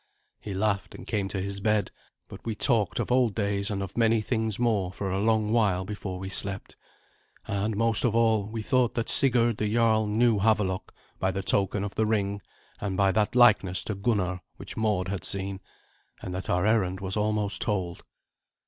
He laughed, and came to his bed; but we talked of old days and of many things more for a long while before we slept. And most of all, we thought that Sigurd the jarl knew Havelok by the token of the ring and by that likeness to Gunnar which Mord had seen, and that our errand was almost told.